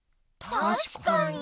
たしかに。